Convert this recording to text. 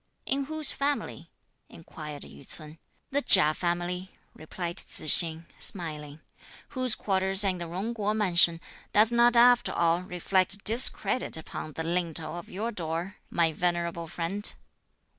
"In whose family?" inquired Yü ts'un. "The Chia family," replied Tzu hsing smiling, "whose quarters are in the Jung Kuo Mansion, does not after all reflect discredit upon the lintel of your door, my venerable friend."